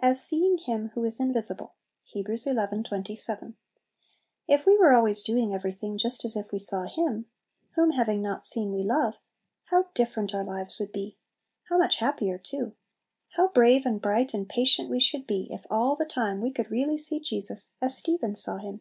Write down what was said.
"As seeing Him who is invisible." Heb. xi. 27. If we were always doing everything just as if we saw Him, whom having not seen we love, how different our lives would be! How much happier too! How brave, and bright, and patient we should be, if all the time we could really see Jesus as Stephen saw Him!